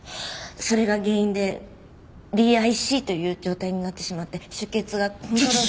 それが原因でＤＩＣという状態になってしまって出血がコントロール。